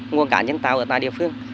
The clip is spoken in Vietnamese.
nguồn cả nhân tàu ở tại địa phương